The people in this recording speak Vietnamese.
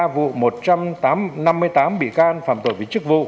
hai mươi ba vụ một trăm năm mươi tám bị can phạm tội vì chức vụ